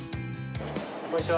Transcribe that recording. こんにちは。